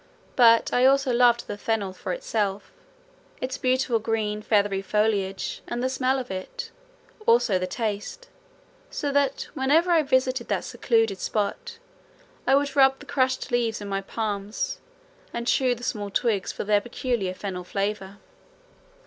But I also loved the fennel for itself, its beautiful green feathery foliage and the smell of it, also the taste, so that whenever I visited that secluded spot I would rub the crushed leaves in my palms and chew the small twigs for their peculiar fennel flavour.